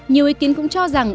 nhiều ý kiến cũng cho rằng